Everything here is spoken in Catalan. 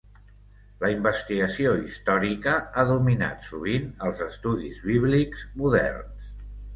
La investigació històrica ha dominat sovint els estudis bíblics moderns.